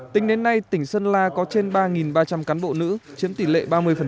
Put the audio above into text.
tính đến nay tỉnh sơn la có trên ba ba trăm linh cán bộ nữ chiếm tỷ lệ ba mươi